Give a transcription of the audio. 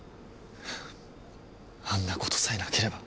あんなことさえなければ。